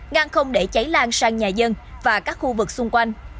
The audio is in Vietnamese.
ngang không để cháy lan sang nhà dân và các khu vực xung quanh